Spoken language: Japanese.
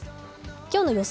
今日の予想